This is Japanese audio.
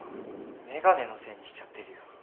メガネのせいにしちゃってるよ。